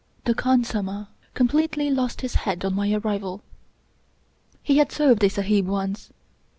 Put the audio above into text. The khansamah completely lost his head on my arrival. He had served a Sahib once.